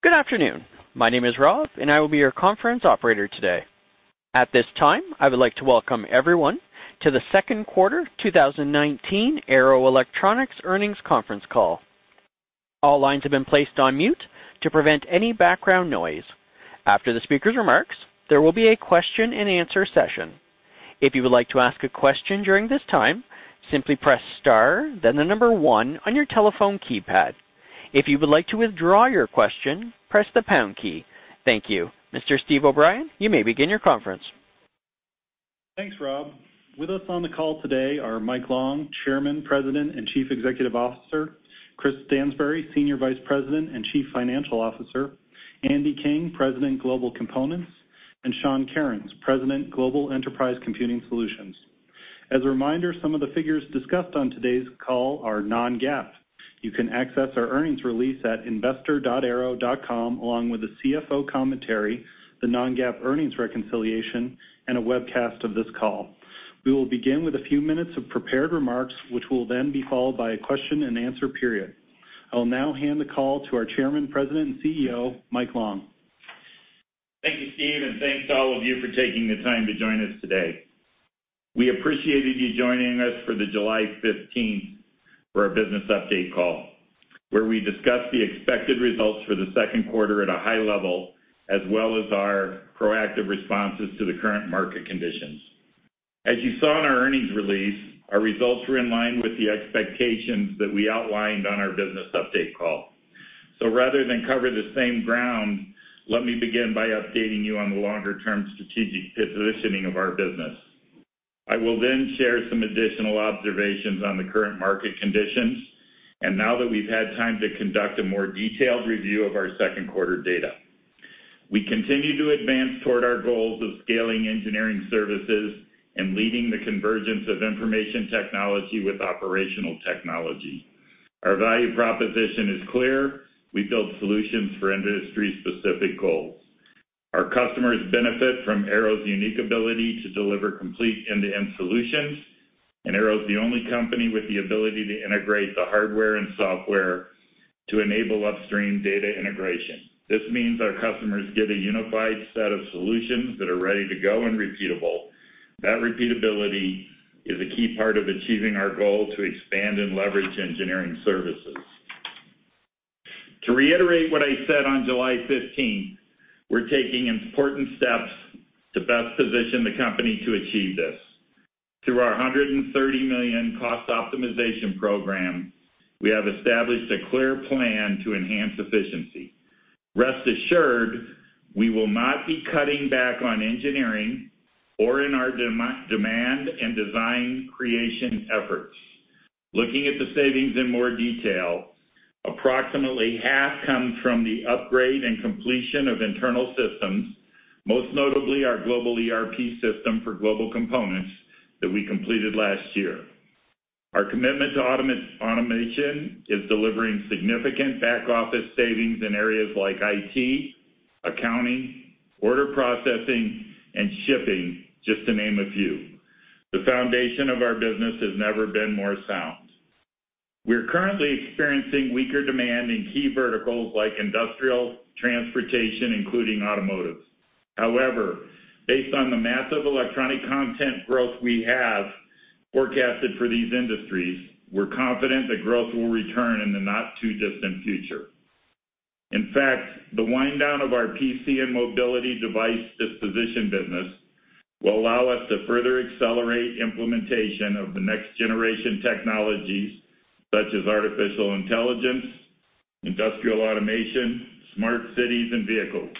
Good afternoon. My name is Rob, and I will be your conference operator today. At this time, I would like to welcome everyone to the second quarter 2019 Arrow Electronics earnings conference call. All lines have been placed on mute to prevent any background noise. After the speaker's remarks, there will be a question-and-answer session. If you would like to ask a question during this time, simply press star, then the number one on your telephone keypad. If you would like to withdraw your question, press the pound key. Thank you. Mr. Steve O'Brien, you may begin your conference. Thanks, Rob. With us on the call today are Mike Long, Chairman, President, and Chief Executive Officer. Chris Stansbury, Senior Vice President and Chief Financial Officer. Andy King, President, Global Components. And Sean Kerins, President, Global Enterprise Computing Solutions. As a reminder, some of the figures discussed on today's call are non-GAAP. You can access our earnings release at investor.arrow.com along with the CFO commentary, the non-GAAP earnings reconciliation, and a webcast of this call. We will begin with a few minutes of prepared remarks, which will then be followed by a question-and-answer period. I will now hand the call to our Chairman, President, and CEO, Mike Long. Thank you, Steve, and thanks to all of you for taking the time to join us today. We appreciated you joining us on July 15th for our business update call, where we discussed the expected results for the second quarter at a high level, as well as our proactive responses to the current market conditions. As you saw in our earnings release, our results were in line with the expectations that we outlined on our business update call. So rather than cover the same ground, let me begin by updating you on the longer-term strategic positioning of our business. I will then share some additional observations on the current market conditions, and now that we've had time to conduct a more detailed review of our second quarter data. We continue to advance toward our goals of scaling engineering services and leading the convergence of information technology with operational technology. Our value proposition is clear: we build solutions for industry-specific goals. Our customers benefit from Arrow's unique ability to deliver complete end-to-end solutions, and Arrow is the only company with the ability to integrate the hardware and software to enable upstream data integration. This means our customers get a unified set of solutions that are ready to go and repeatable. That repeatability is a key part of achieving our goal to expand and leverage engineering services. To reiterate what I said on July 15th, we're taking important steps to best position the company to achieve this. Through our $130 million cost optimization program, we have established a clear plan to enhance efficiency. Rest assured, we will not be cutting back on engineering or in our demand and design creation efforts. Looking at the savings in more detail, approximately half comes from the upgrade and completion of internal systems, most notably our global ERP system for Global Components that we completed last year. Our commitment to automation is delivering significant back-office savings in areas like IT, accounting, order processing, and shipping, just to name a few. The foundation of our business has never been more sound. We're currently experiencing weaker demand in key verticals like industrial, transportation, including automotive. However, based on the massive electronic content growth we have forecasted for these industries, we're confident that growth will return in the not-too-distant future. In fact, the wind-down of our PC and mobility asset disposition business will allow us to further accelerate implementation of the next-generation technologies such as artificial intelligence, industrial automation, smart cities, and vehicles.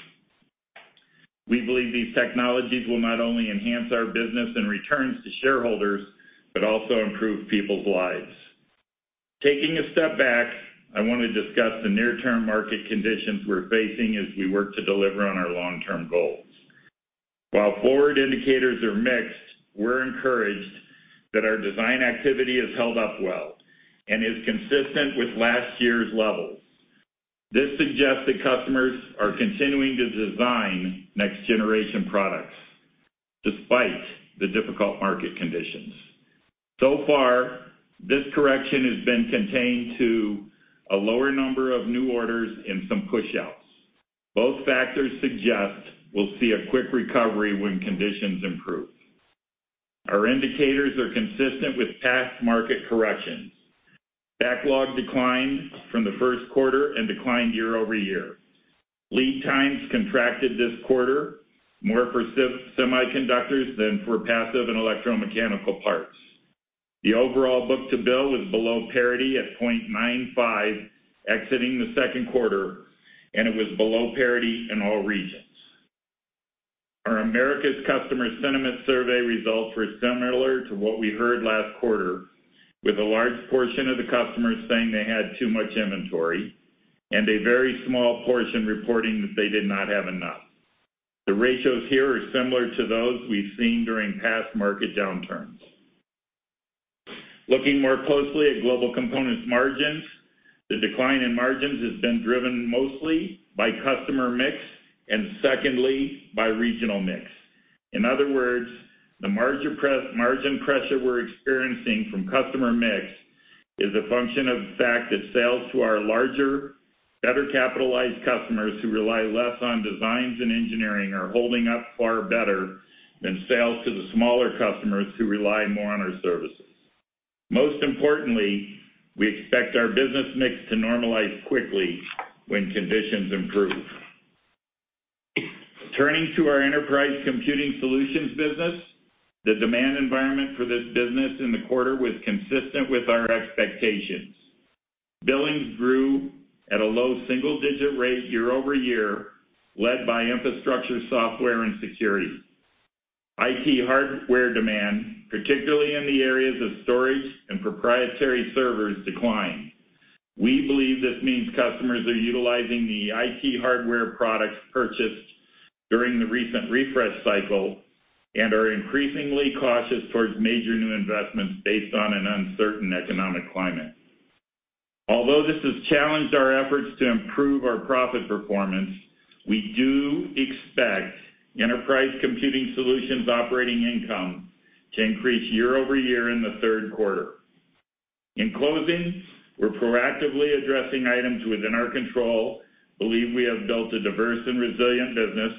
We believe these technologies will not only enhance our business and returns to shareholders but also improve people's lives. Taking a step back, I want to discuss the near-term market conditions we're facing as we work to deliver on our long-term goals. While forward indicators are mixed, we're encouraged that our design activity has held up well and is consistent with last year's levels. This suggests that customers are continuing to design next-generation products despite the difficult market conditions. So far, this correction has been contained to a lower number of new orders and some push-outs. Both factors suggest we'll see a quick recovery when conditions improve. Our indicators are consistent with past market corrections. Backlog declined from the first quarter and declined year-over-year. Lead times contracted this quarter, more for semiconductors than for passive and electromechanical parts. The overall book-to-bill was below parity at 0.95 exiting the second quarter, and it was below parity in all regions. Our Americas Customer Sentiment Survey results were similar to what we heard last quarter, with a large portion of the customers saying they had too much inventory and a very small portion reporting that they did not have enough. The ratios here are similar to those we've seen during past market downturns. Looking more closely at Global Components margins, the decline in margins has been driven mostly by customer mix and, secondly, by regional mix. In other words, the margin pressure we're experiencing from customer mix is a function of the fact that sales to our larger, better-capitalized customers who rely less on designs and engineering are holding up far better than sales to the smaller customers who rely more on our services. Most importantly, we expect our business mix to normalize quickly when conditions improve. Turning to our Enterprise Computing Solutions business, the demand environment for this business in the quarter was consistent with our expectations. Billings grew at a low single-digit rate year-over-year, led by infrastructure, software, and security. IT hardware demand, particularly in the areas of storage and proprietary servers, declined. We believe this means customers are utilizing the IT hardware products purchased during the recent refresh cycle and are increasingly cautious towards major new investments based on an uncertain economic climate. Although this has challenged our efforts to improve our profit performance, we do expect Enterprise Computing Solutions operating income to increase year-over-year in the third quarter. In closing, we're proactively addressing items within our control, believe we have built a diverse and resilient business,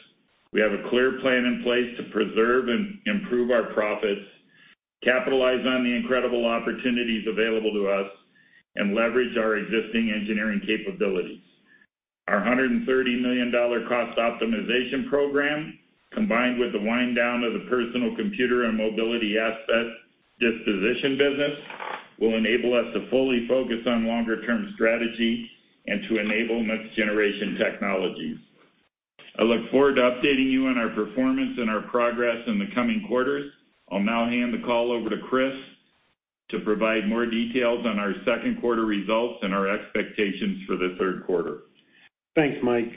we have a clear plan in place to preserve and improve our profits, capitalize on the incredible opportunities available to us, and leverage our existing engineering capabilities. Our $130 million cost optimization program, combined with the wind-down of the personal computer and mobility asset disposition business, will enable us to fully focus on longer-term strategy and to enable next-generation technologies. I look forward to updating you on our performance and our progress in the coming quarters. I'll now hand the call over to Chris to provide more details on our second quarter results and our expectations for the third quarter. Thanks, Mike.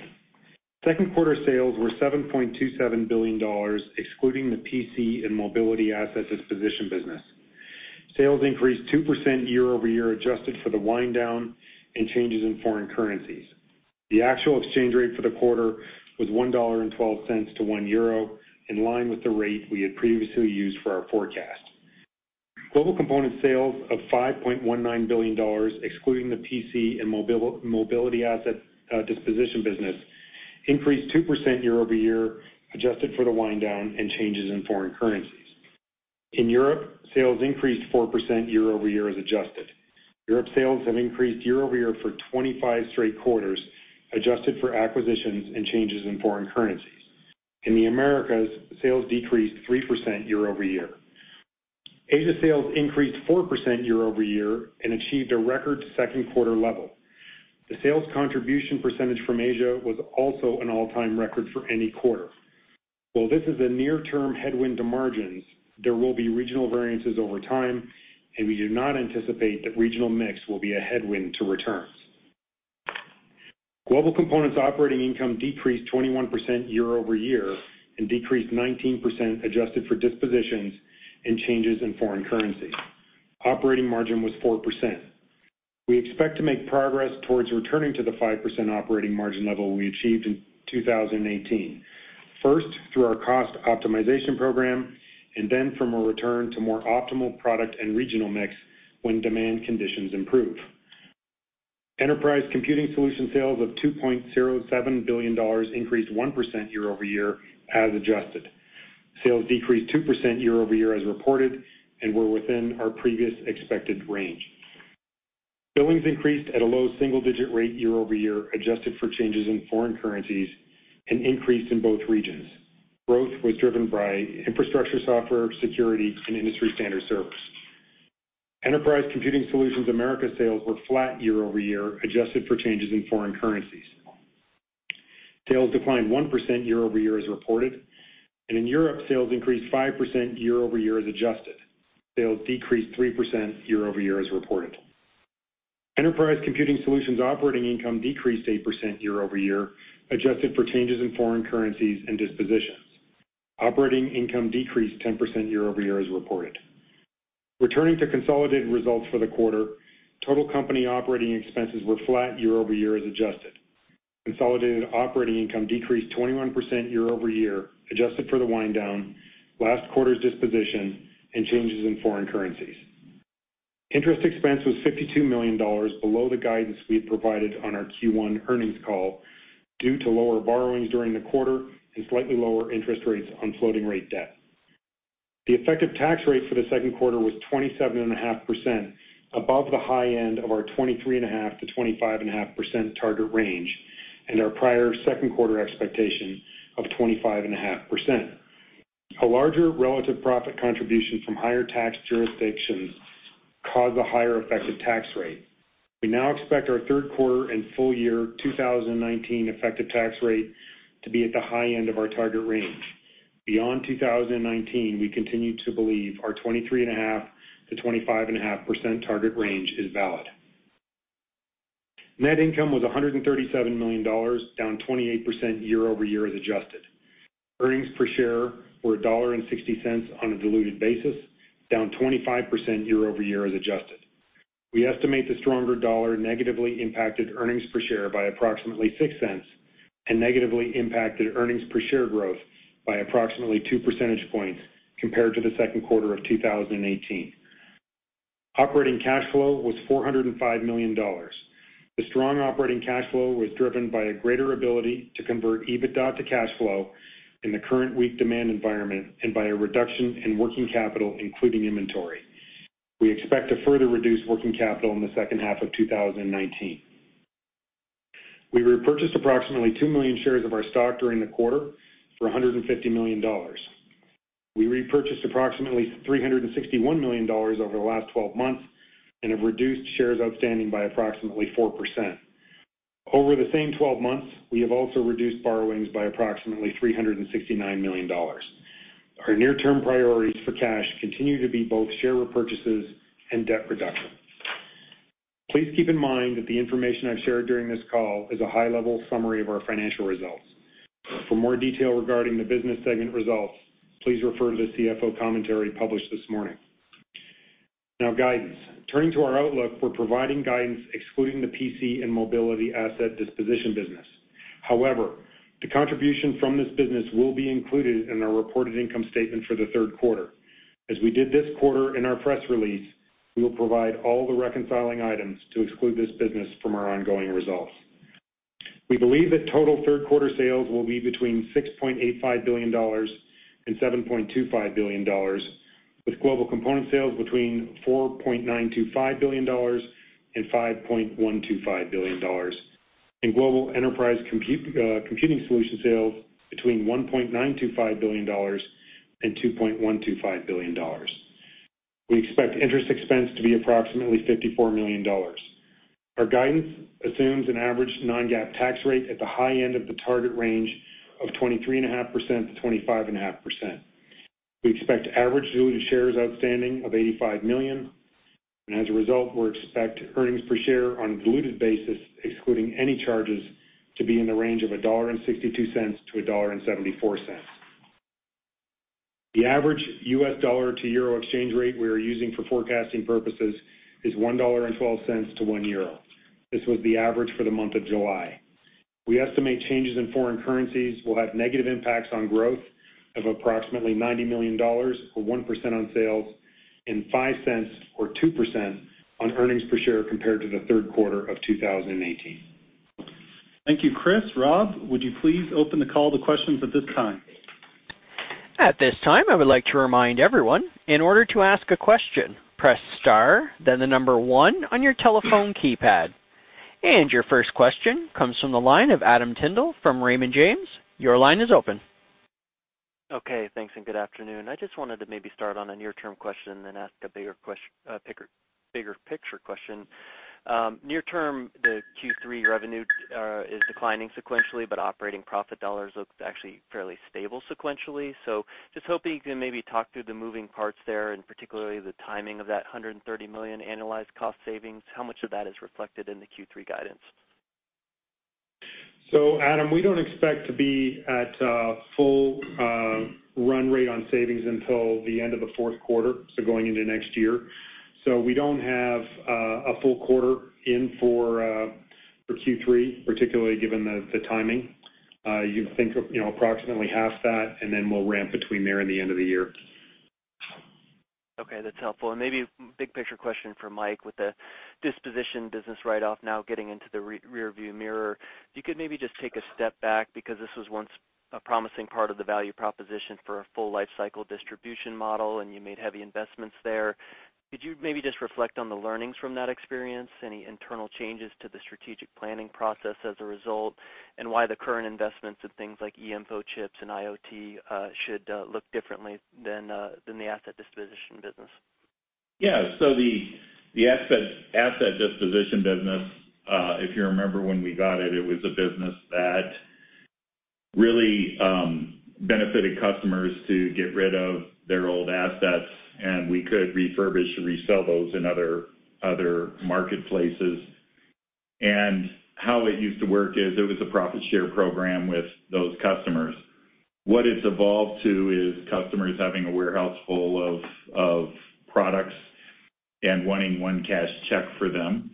Second quarter sales were $7.27 billion, excluding the PC and mobility asset disposition business. Sales increased 2% year-over-year, adjusted for the wind-down and changes in foreign currencies. The actual exchange rate for the quarter was $1.12 to 1 euro, in line with the rate we had previously used for our forecast. Global Components sales of $5.19 billion, excluding the PC and mobility asset disposition business, increased 2% year-over-year, adjusted for the wind-down and changes in foreign currencies. In Europe, sales increased 4% year-over-year, as adjusted. Europe sales have increased year-over-year for 25 straight quarters, adjusted for acquisitions and changes in foreign currencies. In the Americas, sales decreased 3% year-over-year. Asia sales increased 4% year-over-year and achieved a record second quarter level. The sales contribution percentage from Asia was also an all-time record for any quarter. While this is a near-term headwind to margins, there will be regional variances over time, and we do not anticipate that regional mix will be a headwind to returns. Global Components operating income decreased 21% year-over-year and decreased 19%, adjusted for dispositions and changes in foreign currency. Operating margin was 4%. We expect to make progress towards returning to the 5% operating margin level we achieved in 2018, first through our cost optimization program and then from a return to more optimal product and regional mix when demand conditions improve. Enterprise Computing Solutions sales of $2.07 billion increased 1% year-over-year, as adjusted. Sales decreased 2% year-over-year, as reported, and were within our previous expected range. Billings increased at a low single-digit rate year-over-year, adjusted for changes in foreign currencies, and increased in both regions. Growth was driven by infrastructure, software, security, and industry-standard servers. Enterprise Computing Solutions Americas sales were flat year-over-year, adjusted for changes in foreign currencies. Sales declined 1% year-over-year, as reported, and in Europe, sales increased 5% year-over-year, as adjusted. Sales decreased 3% year-over-year, as reported. Enterprise Computing Solutions operating income decreased 8% year-over-year, adjusted for changes in foreign currencies and dispositions. Operating income decreased 10% year-over-year, as reported. Returning to consolidated results for the quarter, total company operating expenses were flat year-over-year, as adjusted. Consolidated operating income decreased 21% year-over-year, adjusted for the wind-down, last quarter's disposition, and changes in foreign currencies. Interest expense was $52 million below the guidance we had provided on our Q1 earnings call due to lower borrowings during the quarter and slightly lower interest rates on floating-rate debt. The effective tax rate for the second quarter was 27.5%, above the high end of our 23.5%-25.5% target range and our prior second quarter expectation of 25.5%. A larger relative profit contribution from higher tax jurisdictions caused a higher effective tax rate. We now expect our third quarter and full year 2019 effective tax rate to be at the high end of our target range. Beyond 2019, we continue to believe our 23.5%-25.5% target range is valid. Net income was $137 million, down 28% year-over-year, as adjusted. Earnings per share were $1.60 on a diluted basis, down 25% year-over-year, as adjusted. We estimate the stronger dollar negatively impacted earnings per share by approximately $0.06 and negatively impacted earnings per share growth by approximately 2 percentage points compared to the second quarter of 2018. Operating cash flow was $405 million. The strong operating cash flow was driven by a greater ability to convert EBITDA to cash flow in the current weak demand environment and by a reduction in working capital, including inventory. We expect to further reduce working capital in the second half of 2019. We repurchased approximately 2 million shares of our stock during the quarter for $150 million. We repurchased approximately $361 million over the last 12 months and have reduced shares outstanding by approximately 4%. Over the same 12 months, we have also reduced borrowings by approximately $369 million. Our near-term priorities for cash continue to be both share repurchases and debt reduction. Please keep in mind that the information I've shared during this call is a high-level summary of our financial results. For more detail regarding the business segment results, please refer to the CFO commentary published this morning. Now, guidance. Turning to our outlook, we're providing guidance excluding the PC and mobility asset disposition business. However, the contribution from this business will be included in our reported income statement for the third quarter. As we did this quarter in our press release, we will provide all the reconciling items to exclude this business from our ongoing results. We believe that total third quarter sales will be between $6.85 billion-$7.25 billion, with Global Components sales between $4.925 billion-$5.125 billion, and Global Enterprise Computing Solution sales between $1.925 billion-$2.125 billion. We expect interest expense to be approximately $54 million. Our guidance assumes an average non-GAAP tax rate at the high end of the target range of 23.5%-25.5%. We expect average diluted shares outstanding of 85 million. As a result, we expect earnings per share on a diluted basis, excluding any charges, to be in the range of $1.62-$1.74. The average US dollar to euro exchange rate we are using for forecasting purposes is $1.12 to 1 euro. This was the average for the month of July. We estimate changes in foreign currencies will have negative impacts on growth of approximately $90 million or 1% on sales and $0.05 or 2% on earnings per share compared to the third quarter of 2018. Thank you, Chris. Rob, would you please open the call to questions at this time? At this time, I would like to remind everyone, in order to ask a question, press star, then the number one on your telephone keypad. Your first question comes from the line of Adam Tindle from Raymond James. Your line is open. Okay. Thanks and good afternoon. I just wanted to maybe start on a near-term question and then ask a bigger picture question. Near-term, the Q3 revenue is declining sequentially, but operating profit dollars looked actually fairly stable sequentially. So just hoping you can maybe talk through the moving parts there, and particularly the timing of that $130 million annualized cost savings. How much of that is reflected in the Q3 guidance? So, Adam, we don't expect to be at full run rate on savings until the end of the fourth quarter, so going into next year. So we don't have a full quarter in for Q3, particularly given the timing. You can think of approximately half that, and then we'll ramp between there and the end of the year. Okay. That's helpful. Maybe a big picture question for Mike with the disposition business write-off now getting into the rearview mirror. If you could maybe just take a step back, because this was once a promising part of the value proposition for a full life cycle distribution model, and you made heavy investments there. Could you maybe just reflect on the learnings from that experience? Any internal changes to the strategic planning process as a result, and why the current investments in things like eInfochips and IoT should look differently than the asset disposition business? Yeah. So the asset disposition business, if you remember when we got it, it was a business that really benefited customers to get rid of their old assets, and we could refurbish and resell those in other marketplaces. And how it used to work is it was a profit share program with those customers. What it's evolved to is customers having a warehouse full of products and wanting one cash check for them.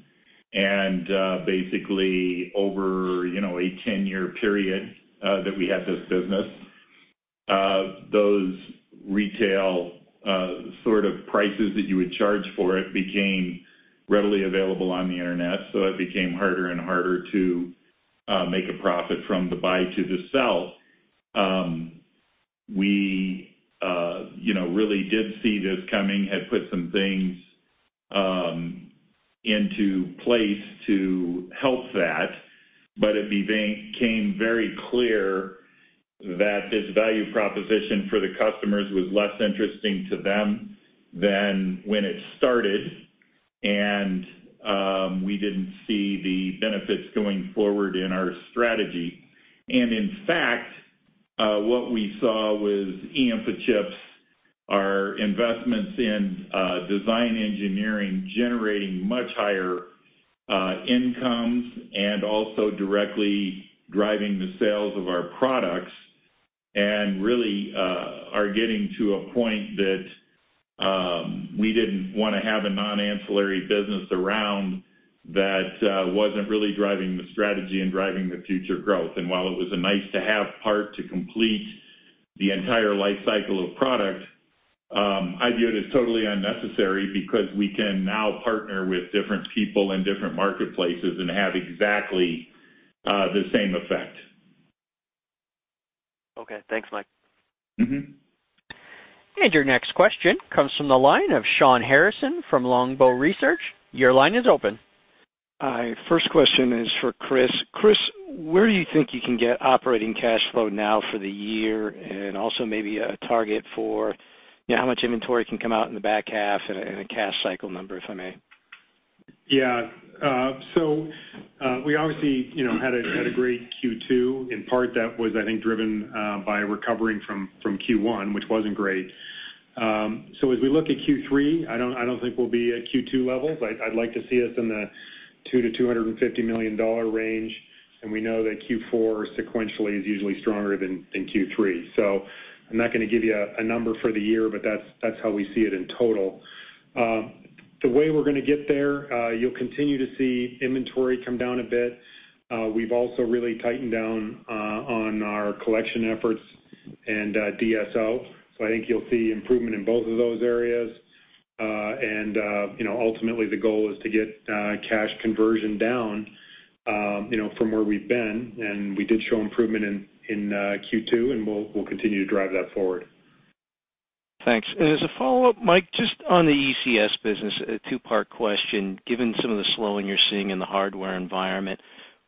And basically, over a 10-year period that we had this business, those retail sort of prices that you would charge for it became readily available on the internet, so it became harder and harder to make a profit from the buy to the sell. We really did see this coming, had put some things into place to help that, but it became very clear that this value proposition for the customers was less interesting to them than when it started, and we didn't see the benefits going forward in our strategy. And in fact, what we saw was eInfochips, our investments in design engineering, generating much higher incomes and also directly driving the sales of our products, and really are getting to a point that we didn't want to have a non-ancillary business around that wasn't really driving the strategy and driving the future growth. And while it was a nice-to-have part to complete the entire life cycle of product, I view it as totally unnecessary because we can now partner with different people in different marketplaces and have exactly the same effect. Okay. Thanks, Mike. Your next question comes from the line of Shawn Harrison from Longbow Research. Your line is open. All right. First question is for Chris. Chris, where do you think you can get operating cash flow now for the year and also maybe a target for how much inventory can come out in the back half and a cash cycle number, if I may? Yeah. So we obviously had a great Q2. In part, that was, I think, driven by recovering from Q1, which wasn't great. So as we look at Q3, I don't think we'll be at Q2 levels. I'd like to see us in the $200 million-$250 million range, and we know that Q4 sequentially is usually stronger than Q3. So I'm not going to give you a number for the year, but that's how we see it in total. The way we're going to get there, you'll continue to see inventory come down a bit. We've also really tightened down on our collection efforts and DSO. So I think you'll see improvement in both of those areas. And ultimately, the goal is to get cash conversion down from where we've been. And we did show improvement in Q2, and we'll continue to drive that forward. Thanks. And as a follow-up, Mike, just on the ECS business, a two-part question. Given some of the slowing you're seeing in the hardware environment,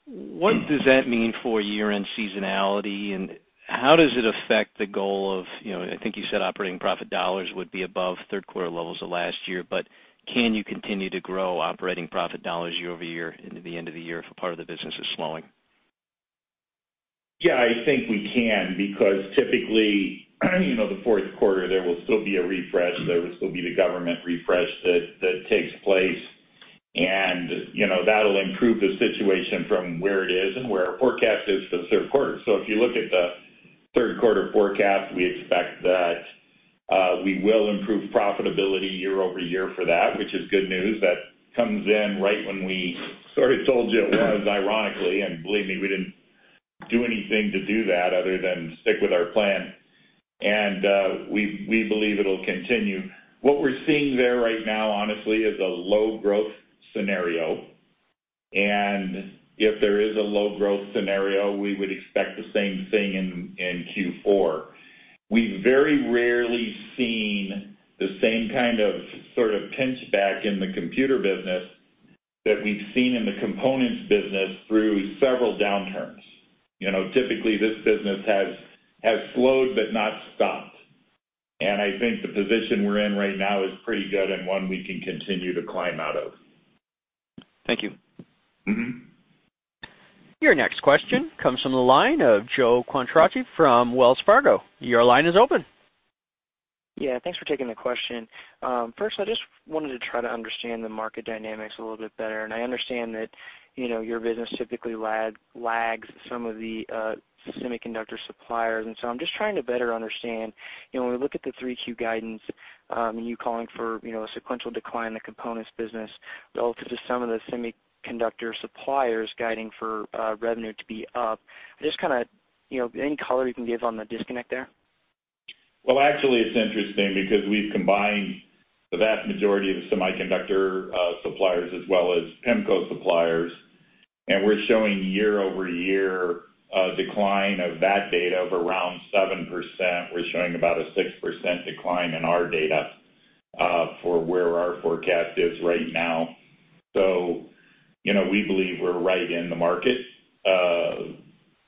what does that mean for year-end seasonality? And how does it affect the goal of I think you said operating profit dollars would be above third quarter levels of last year, but can you continue to grow operating profit dollars year-over-year into the end of the year if a part of the business is slowing? Yeah. I think we can because typically, the fourth quarter, there will still be a refresh. There will still be the government refresh that takes place, and that'll improve the situation from where it is and where our forecast is for the third quarter. So if you look at the third quarter forecast, we expect that we will improve profitability year-over-year for that, which is good news. That comes in right when we sort of told you it was, ironically. And believe me, we didn't do anything to do that other than stick with our plan. And we believe it'll continue. What we're seeing there right now, honestly, is a low-growth scenario. And if there is a low-growth scenario, we would expect the same thing in Q4. We've very rarely seen the same kind of sort of pinchback in the computer business that we've seen in the components business through several downturns. Typically, this business has slowed but not stopped. I think the position we're in right now is pretty good and one we can continue to climb out of. Thank you. Your next question comes from the line of Joe Quatrochi from Wells Fargo. Your line is open. Yeah. Thanks for taking the question. First, I just wanted to try to understand the market dynamics a little bit better. I understand that your business typically lags some of the semiconductor suppliers. So I'm just trying to better understand. When we look at the 3Q guidance, you calling for a sequential decline in the components business relative to some of the semiconductor suppliers guiding for revenue to be up. Just kind of any color you can give on the disconnect there? Well, actually, it's interesting because we've combined the vast majority of the semiconductor suppliers as well as PEMCO suppliers, and we're showing year-over-year decline of that data of around 7%. We're showing about a 6% decline in our data for where our forecast is right now. So we believe we're right in the market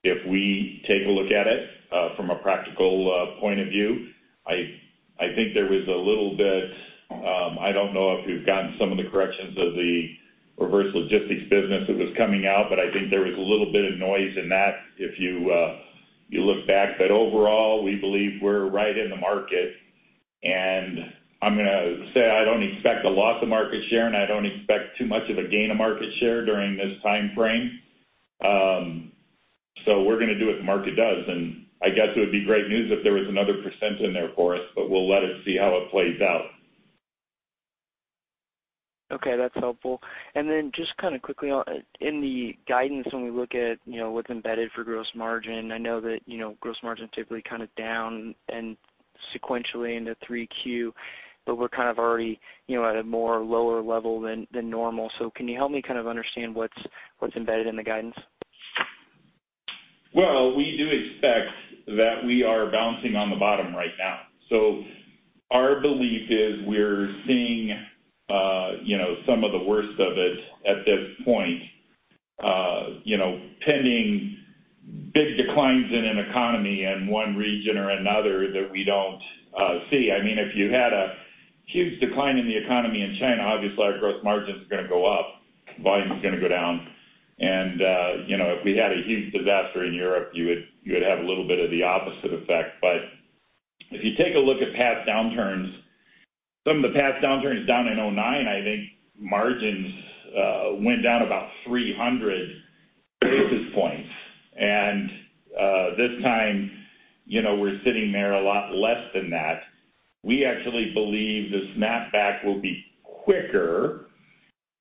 if we take a look at it from a practical point of view. I think there was a little bit, I don't know if we've gotten some of the corrections of the reverse logistics business that was coming out, but I think there was a little bit of noise in that if you look back. But overall, we believe we're right in the market. And I'm going to say I don't expect a loss of market share, and I don't expect too much of a gain of market share during this time frame. We're going to do what the market does. I guess it would be great news if there was another percent in there for us, but we'll let it see how it plays out. Okay. That's helpful. And then just kind of quickly, in the guidance, when we look at what's embedded for gross margin, I know that gross margin's typically kind of down and sequentially in the three-Q, but we're kind of already at a more lower level than normal. So can you help me kind of understand what's embedded in the guidance? Well, we do expect that we are bouncing on the bottom right now. So our belief is we're seeing some of the worst of it at this point, pending big declines in an economy in one region or another that we don't see. I mean, if you had a huge decline in the economy in China, obviously, our gross margins are going to go up. Volume's going to go down. And if we had a huge disaster in Europe, you would have a little bit of the opposite effect. But if you take a look at past downturns, some of the past downturns down in 2009, I think margins went down about 300 basis points. This time, we're sitting there a lot less than that. We actually believe the snapback will be quicker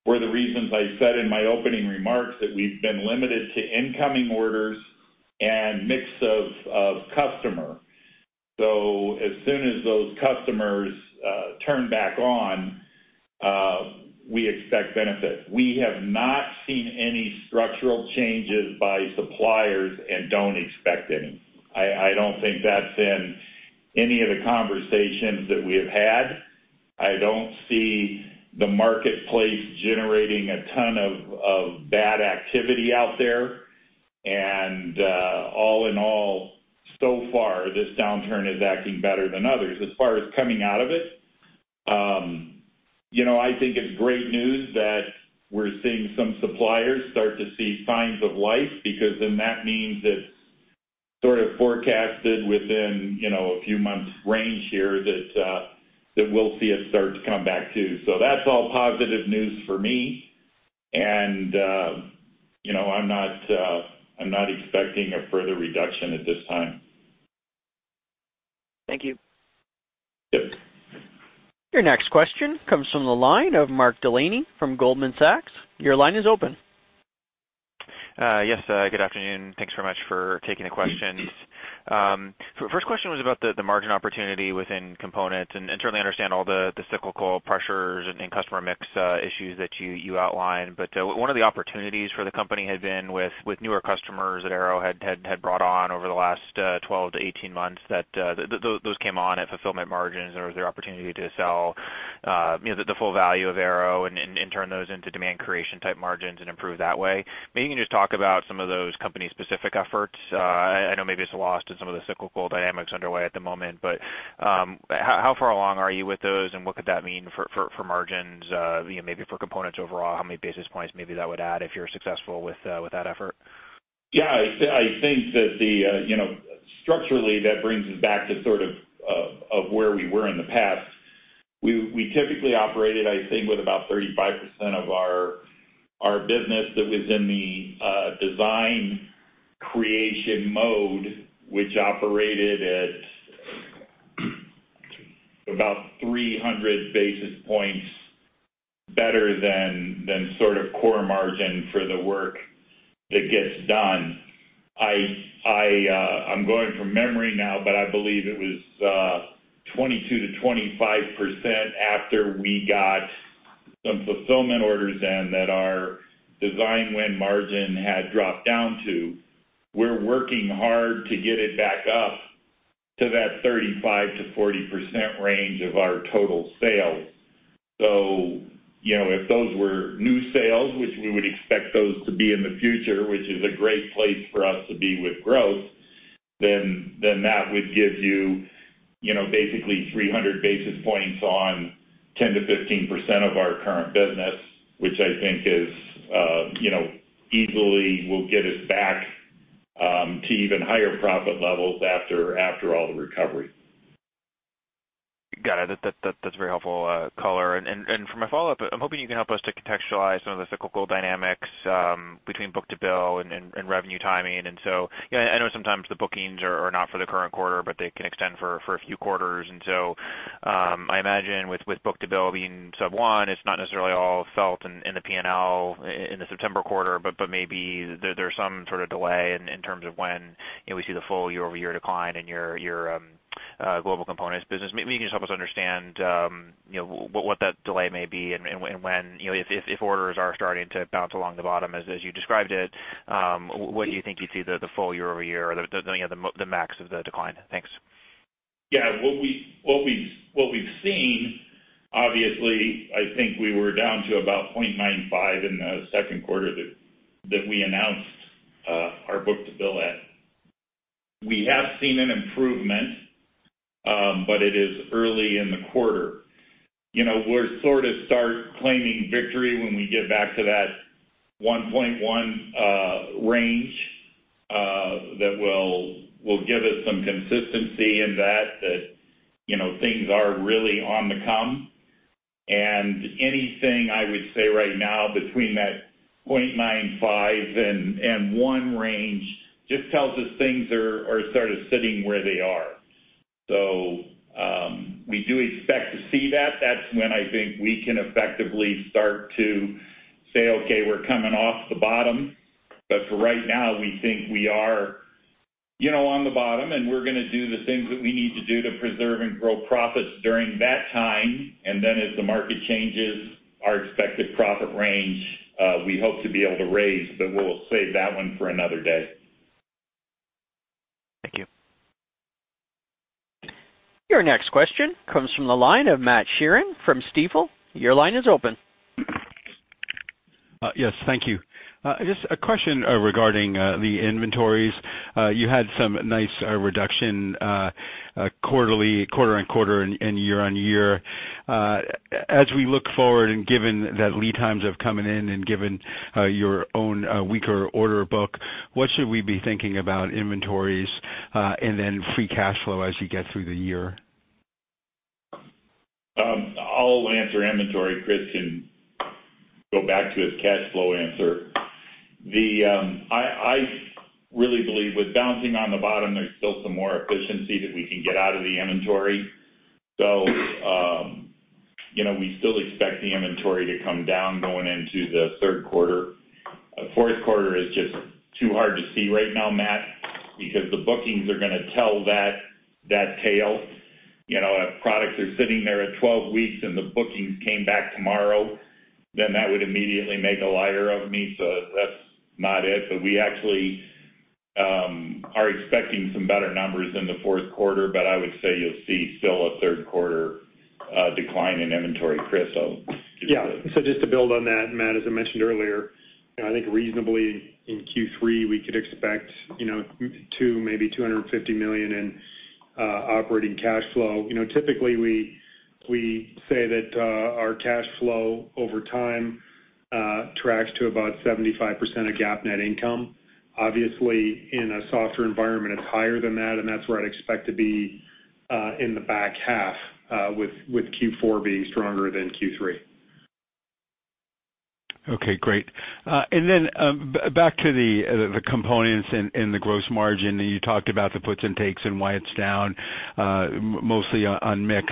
for the reasons I said in my opening remarks that we've been limited to incoming orders and mix of customer. So as soon as those customers turn back on, we expect benefit. We have not seen any structural changes by suppliers and don't expect any. I don't think that's in any of the conversations that we have had. I don't see the marketplace generating a ton of bad activity out there. And all in all, so far, this downturn is acting better than others as far as coming out of it. I think it's great news that we're seeing some suppliers start to see signs of life because then that means it's sort of forecasted within a few months' range here that we'll see it start to come back to. So that's all positive news for me. I'm not expecting a further reduction at this time. Thank you. Yep. Your next question comes from the line of Mark Delaney from Goldman Sachs. Your line is open. Yes. Good afternoon. Thanks very much for taking the questions. So the first question was about the margin opportunity within components. And certainly, I understand all the cyclical pressures and customer mix issues that you outlined. But one of the opportunities for the company had been with newer customers that Arrow had brought on over the last 12-18 months that those came on at fulfillment margins, and there was the opportunity to sell the full value of Arrow and turn those into demand creation type margins and improve that way. Maybe you can just talk about some of those company-specific efforts. I know maybe it's lost in some of the cyclical dynamics underway at the moment, but how far along are you with those, and what could that mean for margins, maybe for components overall? How many basis points maybe that would add if you're successful with that effort? Yeah. I think that structurally, that brings us back to sort of where we were in the past. We typically operated, I think, with about 35% of our business that was in the design creation mode, which operated at about 300 basis points better than sort of core margin for the work that gets done. I'm going from memory now, but I believe it was 22%-25% after we got some fulfillment orders in that our design win margin had dropped down to. We're working hard to get it back up to that 35%-40% range of our total sales. So if those were new sales, which we would expect those to be in the future, which is a great place for us to be with growth, then that would give you basically 300 basis points on 10%-15% of our current business, which I think is easily will get us back to even higher profit levels after all the recovery. Got it. That's very helpful color. And for my follow-up, I'm hoping you can help us to contextualize some of the cyclical dynamics between book-to-bill and revenue timing. And so I know sometimes the bookings are not for the current quarter, but they can extend for a few quarters. And so I imagine with book-to-bill being sub-one, it's not necessarily all felt in the P&L in the September quarter, but maybe there's some sort of delay in terms of when we see the full year-over-year decline in your Global Components business. Maybe you can just help us understand what that delay may be and when if orders are starting to bounce along the bottom, as you described it, what do you think you'd see the full year-over-year or the max of the decline? Thanks. Yeah. What we've seen, obviously, I think we were down to about 0.95 in the second quarter that we announced our book-to-bill at. We have seen an improvement, but it is early in the quarter. We'll sort of start claiming victory when we get back to that 1.1 range that will give us some consistency in that, that things are really on the come. And anything I would say right now between that 0.95 and 1 range just tells us things are sort of sitting where they are. So we do expect to see that. That's when I think we can effectively start to say, "Okay, we're coming off the bottom." But for right now, we think we are on the bottom, and we're going to do the things that we need to do to preserve and grow profits during that time. And then as the market changes, our expected profit range, we hope to be able to raise, but we'll save that one for another day. Thank you. Your next question comes from the line of Matt Sheerin from Stifel. Your line is open. Yes. Thank you. Just a question regarding the inventories. You had some nice reduction quarter-over-quarter and year-over-year. As we look forward and given that lead times have come in and given your own weaker order book, what should we be thinking about inventories and then free cash flow as you get through the year? I'll answer inventory, Chris, and go back to his cash flow answer. I really believe with bouncing on the bottom, there's still some more efficiency that we can get out of the inventory. So we still expect the inventory to come down going into the third quarter. Fourth quarter is just too hard to see right now, Matt, because the bookings are going to tell that tale. If products are sitting there at 12 weeks and the bookings came back tomorrow, then that would immediately make a liar of me. So that's not it. But we actually are expecting some better numbers in the fourth quarter, but I would say you'll see still a third quarter decline in inventory, Chris. So just to. Yeah. So just to build on that, Matt, as I mentioned earlier, I think reasonably in Q3, we could expect maybe $250 million in operating cash flow. Typically, we say that our cash flow over time tracks to about 75% of GAAP net income. Obviously, in a softer environment, it's higher than that, and that's where I'd expect to be in the back half with Q4 being stronger than Q3. Okay. Great. And then back to the components and the gross margin, and you talked about the puts and takes and why it's down mostly on mix.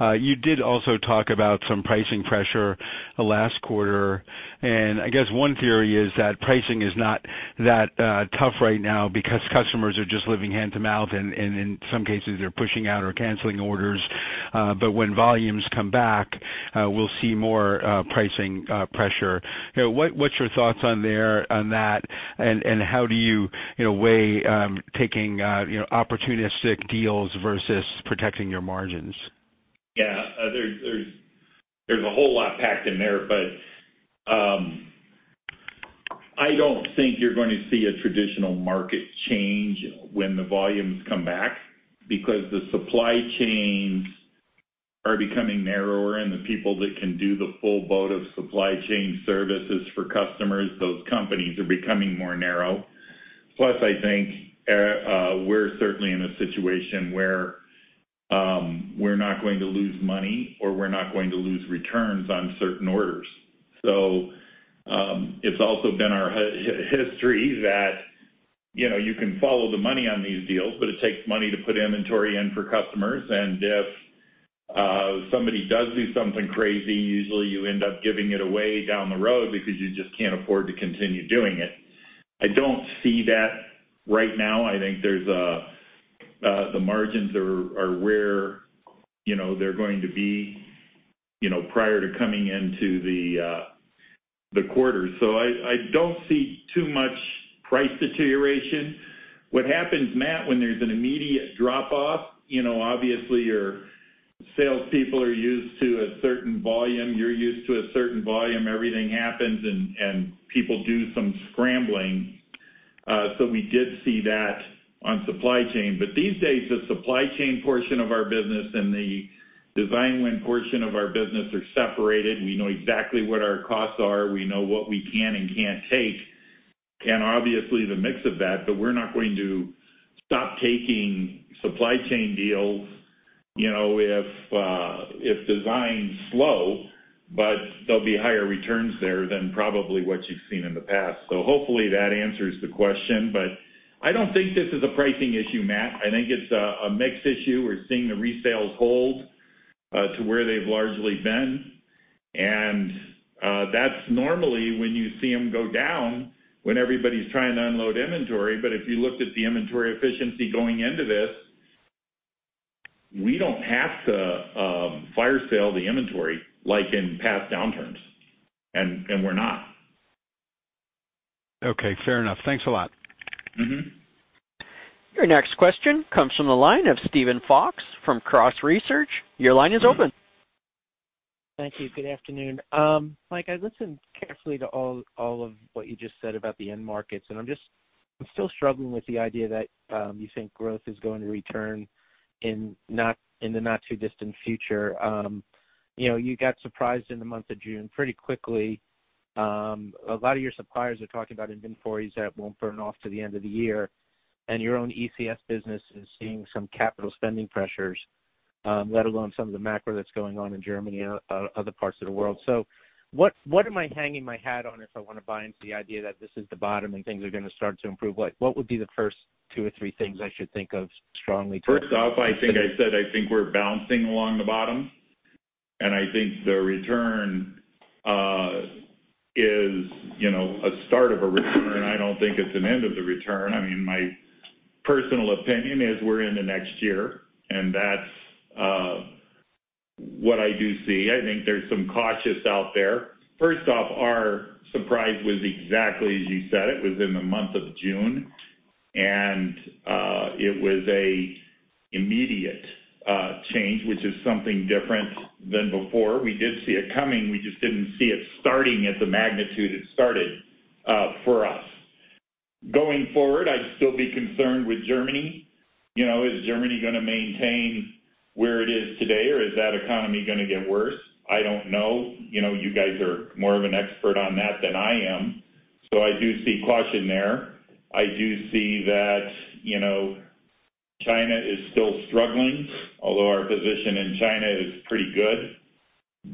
You did also talk about some pricing pressure last quarter. And I guess one theory is that pricing is not that tough right now because customers are just living hand-to-mouth, and in some cases, they're pushing out or canceling orders. But when volumes come back, we'll see more pricing pressure. What's your thoughts on that, and how do you weigh taking opportunistic deals versus protecting your margins? Yeah. There's a whole lot packed in there, but I don't think you're going to see a traditional market change when the volumes come back because the supply chains are becoming narrower, and the people that can do the full boat of supply chain services for customers, those companies are becoming more narrow. Plus, I think we're certainly in a situation where we're not going to lose money or we're not going to lose returns on certain orders. So it's also been our history that you can follow the money on these deals, but it takes money to put inventory in for customers. And if somebody does do something crazy, usually you end up giving it away down the road because you just can't afford to continue doing it. I don't see that right now. I think the margins are where they're going to be prior to coming into the quarter. So I don't see too much price deterioration. What happens, Matt, when there's an immediate drop-off, obviously, your salespeople are used to a certain volume. You're used to a certain volume. Everything happens, and people do some scrambling. So we did see that on supply chain. But these days, the supply chain portion of our business and the design win portion of our business are separated. We know exactly what our costs are. We know what we can and can't take and obviously the mix of that. But we're not going to stop taking supply chain deals if design's slow, but there'll be higher returns there than probably what you've seen in the past. So hopefully, that answers the question. But I don't think this is a pricing issue, Matt. I think it's a mixed issue. We're seeing the resales hold to where they've largely been. That's normally when you see them go down when everybody's trying to unload inventory. But if you looked at the inventory efficiency going into this, we don't have to fire sale the inventory like in past downturns, and we're not. Okay. Fair enough. Thanks a lot. Your next question comes from the line of Steven Fox from Cross Research. Your line is open. Thank you. Good afternoon. Mike, I listened carefully to all of what you just said about the end markets, and I'm still struggling with the idea that you think growth is going to return in the not-too-distant future. You got surprised in the month of June pretty quickly. A lot of your suppliers are talking about inventories that won't burn off to the end of the year, and your own ECS business is seeing some capital spending pressures, let alone some of the macro that's going on in Germany and other parts of the world. So what am I hanging my hat on if I want to buy into the idea that this is the bottom and things are going to start to improve? What would be the first two or three things I should think of strongly? First off, I think I said I think we're bouncing along the bottom, and I think the return is a start of a return. I mean, my personal opinion is we're in the next year, and that's what I do see. I think there's some caution out there. First off, our surprise was exactly as you said. It was in the month of June, and it was an immediate change, which is something different than before. We did see it coming. We just didn't see it starting at the magnitude it started for us. Going forward, I'd still be concerned with Germany. Is Germany going to maintain where it is today, or is that economy going to get worse? I don't know. You guys are more of an expert on that than I am, so I do see caution there. I do see that China is still struggling, although our position in China is pretty good,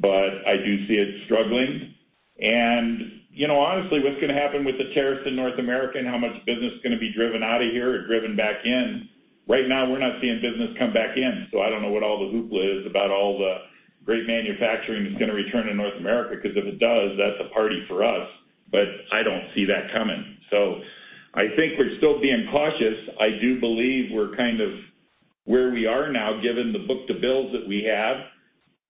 but I do see it struggling. And honestly, what's going to happen with the tariffs in North America and how much business is going to be driven out of here or driven back in? Right now, we're not seeing business come back in. So I don't know what all the hoopla is about all the great manufacturing that's going to return to North America because if it does, that's a party for us, but I don't see that coming. So I think we're still being cautious. I do believe we're kind of where we are now, given the book-to-bill that we have,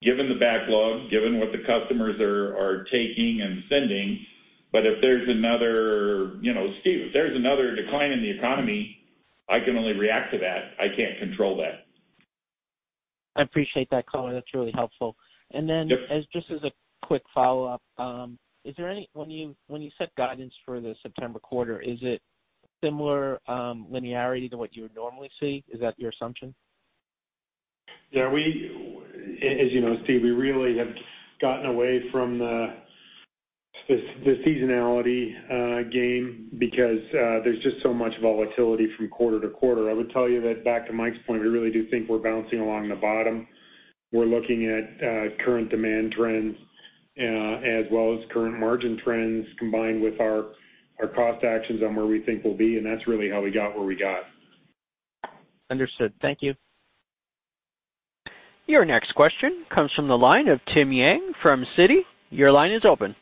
given the backlog, given what the customers are taking and sending. But if there's another step, if there's another decline in the economy, I can only react to that. I can't control that. I appreciate that, Colin. That's really helpful. And then just as a quick follow-up, when you set guidance for the September quarter, is it similar linearity to what you would normally see? Is that your assumption? Yeah. As you know, Steve, we really have gotten away from the seasonality game because there's just so much volatility from quarter to quarter. I would tell you that back to Mike's point, we really do think we're bouncing along the bottom. We're looking at current demand trends as well as current margin trends combined with our cost actions on where we think we'll be, and that's really how we got where we got. Understood. Thank you. Your next question comes from the line of Tim Yang from Citi. Your line is open.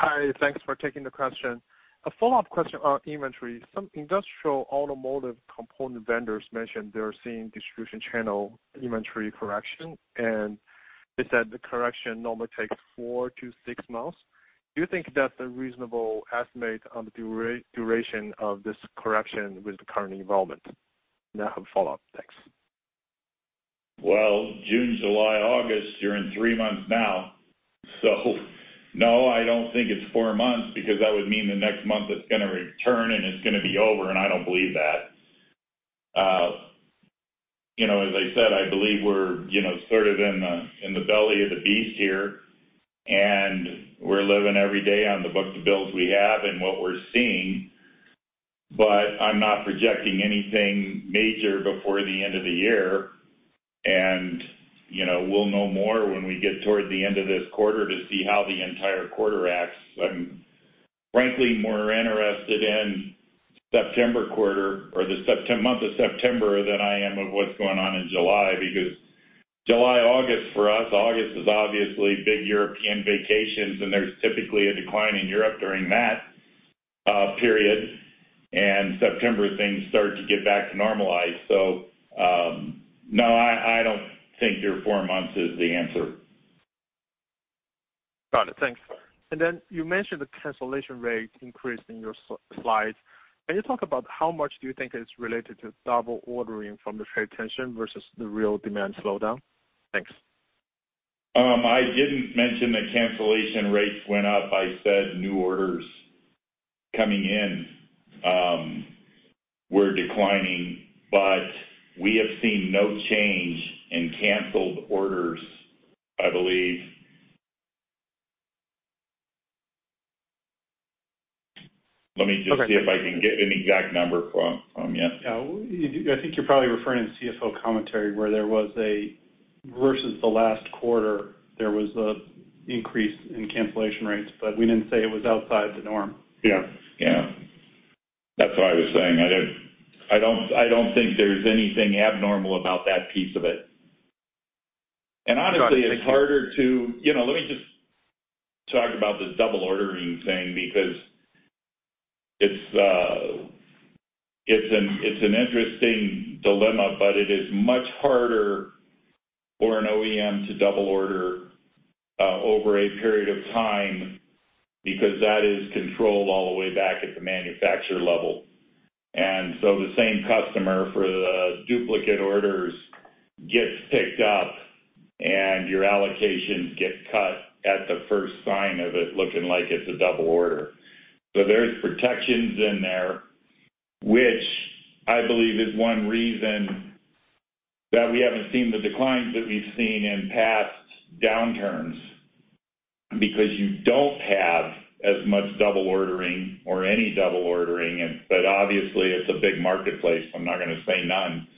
Hi. Thanks for taking the question. A follow-up question on inventory. Some industrial automotive component vendors mentioned they're seeing distribution channel inventory correction, and they said the correction normally takes 4-6 months. Do you think that's a reasonable estimate on the duration of this correction with the current involvement? I have a follow-up. Thanks. Well, June, July, August, you're in three months now. So no, I don't think it's four months because that would mean the next month it's going to return and it's going to be over, and I don't believe that. As I said, I believe we're sort of in the belly of the beast here, and we're living every day on the book-to-bill we have and what we're seeing. But I'm not projecting anything major before the end of the year, and we'll know more when we get toward the end of this quarter to see how the entire quarter acts. I'm frankly more interested in September quarter or the month of September than I am of what's going on in July because July, August for us, August is obviously big European vacations, and there's typically a decline in Europe during that period. September, things start to get back to normalize. No, I don't think your four months is the answer. Got it. Thanks. And then you mentioned the cancellation rate increased in your slides. Can you talk about how much do you think it's related to double ordering from the trade tension versus the real demand slowdown? Thanks. I didn't mention the cancellation rates went up. I said new orders coming in were declining, but we have seen no change in canceled orders, I believe. Let me just see if I can get an exact number from you. Yeah. I think you're probably referring to CFO commentary where there was an increase versus the last quarter in cancellation rates, but we didn't say it was outside the norm. Yeah. Yeah. That's what I was saying. I don't think there's anything abnormal about that piece of it. And honestly, it's harder to let me just talk about the double ordering thing because it's an interesting dilemma, but it is much harder for an OEM to double order over a period of time because that is controlled all the way back at the manufacturer level. And so the same customer for the duplicate orders gets picked up, and your allocations get cut at the first sign of it looking like it's a double order. So there's protections in there, which I believe is one reason that we haven't seen the declines that we've seen in past downturns because you don't have as much double ordering or any double ordering. But obviously, it's a big marketplace. I'm not going to say none.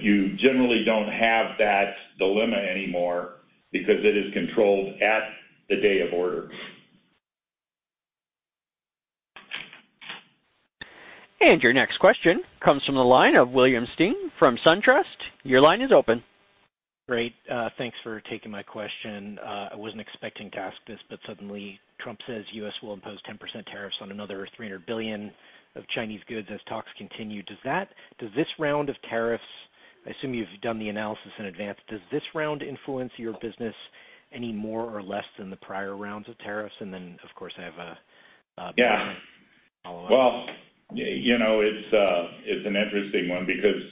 You generally don't have that dilemma anymore because it is controlled at the day of order. Your next question comes from the line of William Stein from SunTrust. Your line is open. Great. Thanks for taking my question. I wasn't expecting to ask this, but suddenly, Trump says U.S. will impose 10% tariffs on another $300 billion of Chinese goods as talks continue. Does this round of tariffs, I assume you've done the analysis in advance, does this round influence your business any more or less than the prior rounds of tariffs? And then, of course, I have a follow-up. Yeah. Well, it's an interesting one because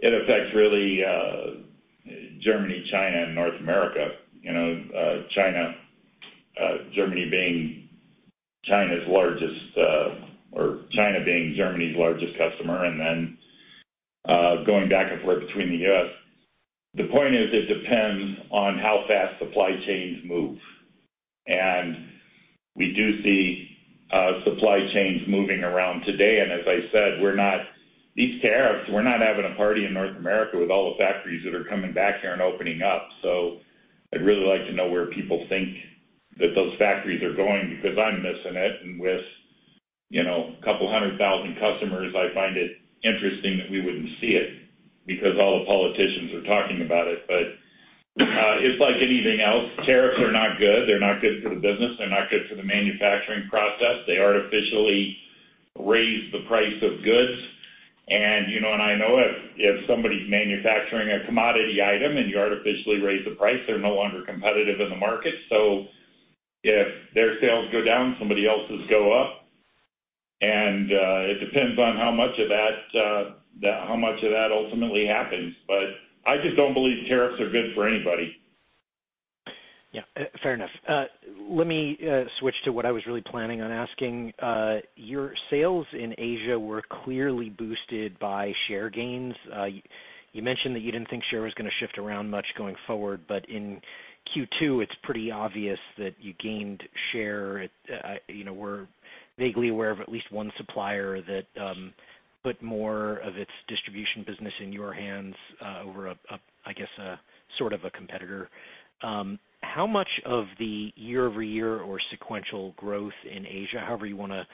it affects really Germany, China, and North America. China, Germany being China's largest or China being Germany's largest customer, and then going back and forth between the U.S. The point is it depends on how fast supply chains move. And we do see supply chains moving around today. And as I said, these tariffs, we're not having a party in North America with all the factories that are coming back here and opening up. So I'd really like to know where people think that those factories are going because I'm missing it. And with a couple hundred thousand customers, I find it interesting that we wouldn't see it because all the politicians are talking about it. But it's like anything else. Tariffs are not good. They're not good for the business. They're not good for the manufacturing process. They artificially raise the price of goods. I know if somebody's manufacturing a commodity item and you artificially raise the price, they're no longer competitive in the market. So if their sales go down, somebody else's go up. It depends on how much of that ultimately happens. But I just don't believe tariffs are good for anybody. Yeah. Fair enough. Let me switch to what I was really planning on asking. Your sales in Asia were clearly boosted by share gains. You mentioned that you didn't think share was going to shift around much going forward, but in Q2, it's pretty obvious that you gained share. We're vaguely aware of at least one supplier that put more of its distribution business in your hands over, I guess, sort of a competitor. How much of the year-over-year or sequential growth in Asia, however you want to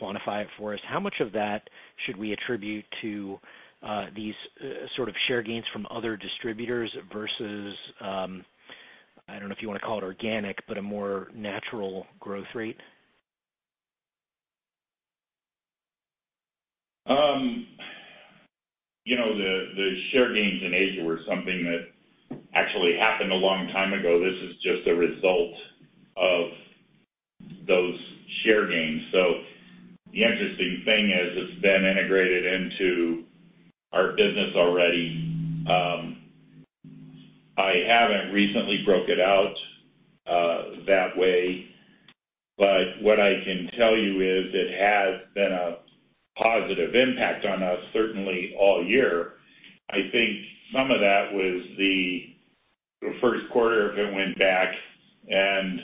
quantify it for us, how much of that should we attribute to these sort of share gains from other distributors versus, I don't know if you want to call it organic, but a more natural growth rate? The share gains in Asia were something that actually happened a long time ago. This is just a result of those share gains. So the interesting thing is it's been integrated into our business already. I haven't recently broke it out that way, but what I can tell you is it has been a positive impact on us, certainly all year. I think some of that was the first quarter if it went back, and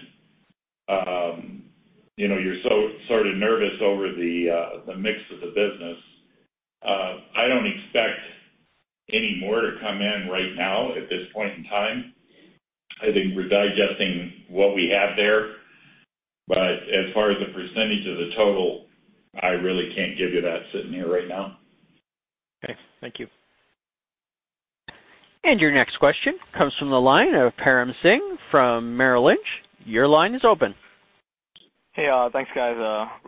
you're sort of nervous over the mix of the business. I don't expect any more to come in right now at this point in time. I think we're digesting what we have there, but as far as the percentage of the total, I really can't give you that sitting here right now. Okay. Thank you. And your next question comes from the line of Param Singh from Merrill Lynch. Your line is open. Hey. Thanks, guys.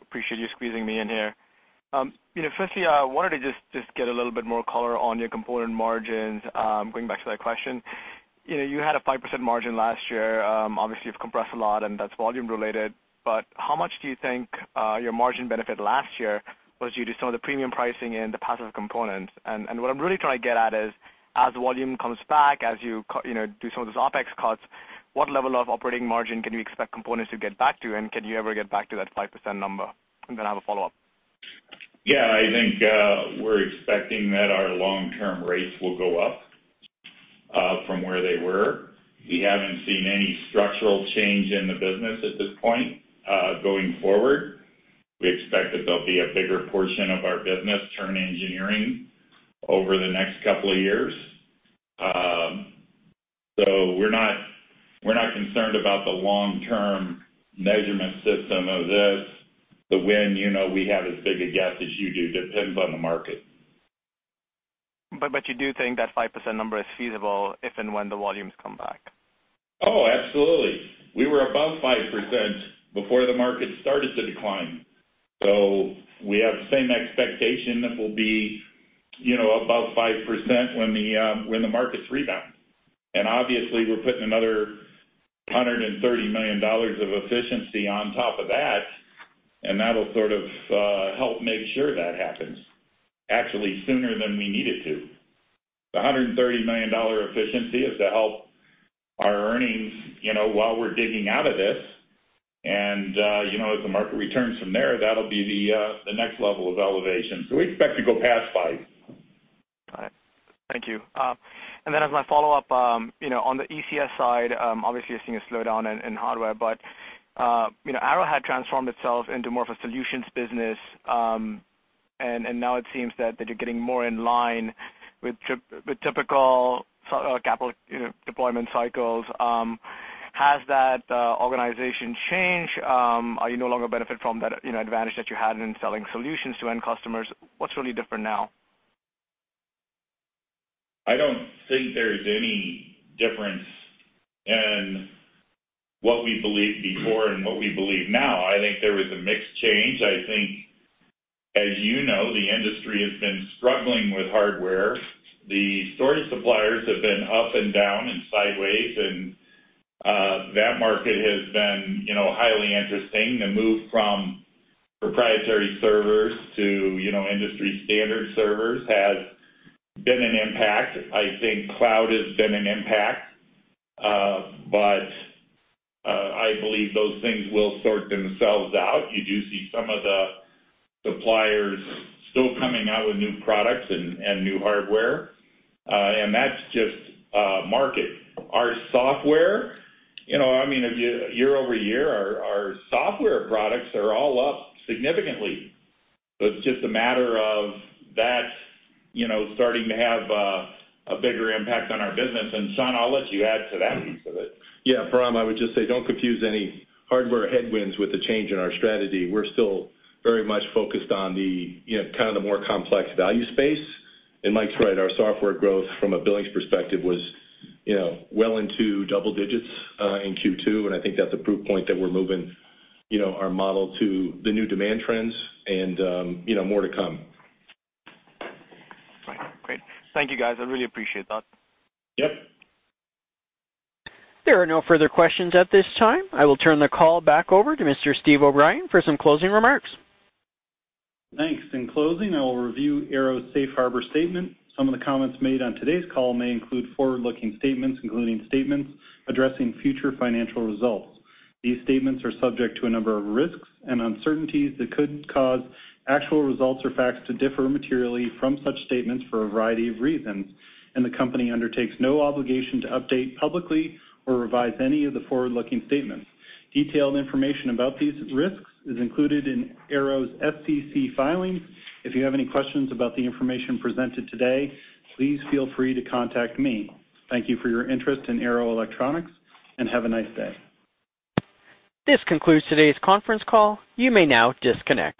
Appreciate you squeezing me in here. Firstly, I wanted to just get a little bit more color on your component margins. Going back to that question, you had a 5% margin last year. Obviously, you've compressed a lot, and that's volume-related. But how much do you think your margin benefit last year was due to some of the premium pricing and the passive components? And what I'm really trying to get at is, as volume comes back, as you do some of those OpEx cuts, what level of operating margin can you expect components to get back to, and can you ever get back to that 5% number? And then I have a follow-up. Yeah. I think we're expecting that our long-term rates will go up from where they were. We haven't seen any structural change in the business at this point. Going forward, we expect that there'll be a bigger portion of our business turned engineering over the next couple of years. So we're not concerned about the long-term measurement system of this. The wind we have is bigger gaps as you do. It depends on the market. But you do think that 5% number is feasible if and when the volumes come back? Oh, absolutely. We were above 5% before the market started to decline. So we have the same expectation that we'll be above 5% when the markets rebound. And obviously, we're putting another $130 million of efficiency on top of that, and that'll sort of help make sure that happens actually sooner than we need it to. The $130 million efficiency is to help our earnings while we're digging out of this. And as the market returns from there, that'll be the next level of elevation. So we expect to go past five. Got it. Thank you. Then as my follow-up, on the ECS side, obviously, you're seeing a slowdown in hardware, but Arrow had transformed itself into more of a solutions business, and now it seems that you're getting more in line with typical capital deployment cycles. Has that organization changed? Are you no longer benefiting from that advantage that you had in selling solutions to end customers? What's really different now? I don't think there's any difference in what we believed before and what we believe now. I think there was a mixed change. I think, as you know, the industry has been struggling with hardware. The storage suppliers have been up and down and sideways, and that market has been highly interesting. The move from proprietary servers to industry standard servers has been an impact. I think cloud has been an impact, but I believe those things will sort themselves out. You do see some of the suppliers still coming out with new products and new hardware, and that's just market. Our software, I mean, year-over-year, our software products are all up significantly. So it's just a matter of that starting to have a bigger impact on our business. And Sean, I'll let you add to that piece of it. Yeah. For him, I would just say don't confuse any hardware headwinds with the change in our strategy. We're still very much focused on kind of the more complex value space. And Mike's right. Our software growth from a billings perspective was well into double digits in Q2, and I think that's a proof point that we're moving our model to the new demand trends and more to come. Right. Great. Thank you, guys. I really appreciate that. Yep. There are no further questions at this time. I will turn the call back over to Mr. Steve O'Brien for some closing remarks. Thanks. In closing, I will review Arrow's Safe Harbor statement. Some of the comments made on today's call may include forward-looking statements, including statements addressing future financial results. These statements are subject to a number of risks and uncertainties that could cause actual results or facts to differ materially from such statements for a variety of reasons, and the company undertakes no obligation to update publicly or revise any of the forward-looking statements. Detailed information about these risks is included in Arrow's SEC filings. If you have any questions about the information presented today, please feel free to contact me. Thank you for your interest in Arrow Electronics, and have a nice day. This concludes today's conference call. You may now disconnect.